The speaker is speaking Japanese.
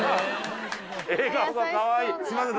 すいません